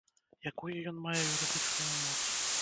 Якую ён мае юрыдычную моц?